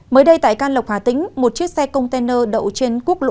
mới đây tại can lộc hà tĩnh một chiếc xe container đậu trên quốc lộ một